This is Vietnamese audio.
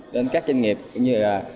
đến các doanh nghiệp cũng như là